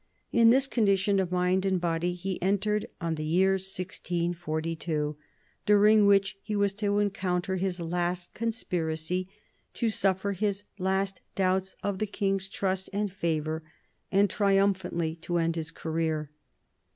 In this condition of mind and body he entered on the year 1642, during which he was to encounter his last conspiracy, to suffer his last doubts of the King's trust and favour, and triumphantly to end his career.